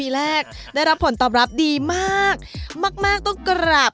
แรกได้รับผลตอบรับดีมากมากต้องกราบ